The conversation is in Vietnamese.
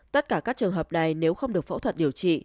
tất cả các trường hợp này nếu không được phẫu thuật điều trị